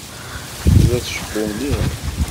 Tella tceffu mliḥ.